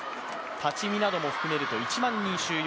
立ち見なども含めると、１万人収容。